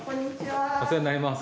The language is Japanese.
お世話になります。